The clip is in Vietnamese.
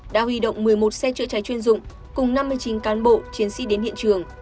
đã huy động một mươi một xe chữa cháy chuyên dụng cùng năm mươi chín cán bộ chiến sĩ đến hiện trường